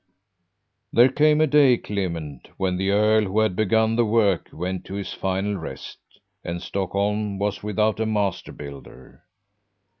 "There came a day, Clement, when the earl who had begun the work went to his final rest, and Stockholm was without a master builder.